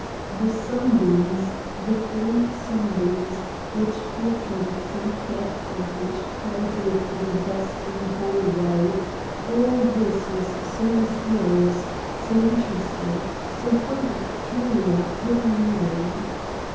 ... The sun beams, the free sunbeams, which penetrated some cleft and which played with the dust in the hall way all this was so mysterious, so interesting, so full of a peculiar, hidden meaning.